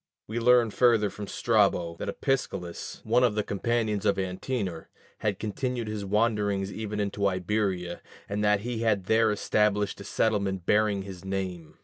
We learn further from Strabo that Opsicellas, one of the companions of Antenor, had continued his wanderings even into Iberia, and that he had there established a settlement bearing his name.